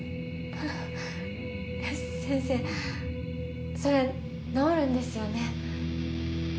えっ先生それ治るんですよね？